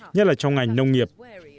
nhất là trong ngành nông nghiệp